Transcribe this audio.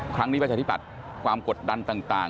ครั้งนี้ประชาธิบัติความกดดันต่าง